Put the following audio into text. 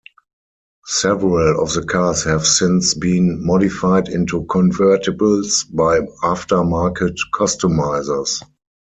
Several of the cars have since been modified into convertibles by after-market customizers.